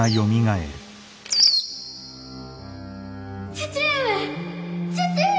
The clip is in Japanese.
父上父上！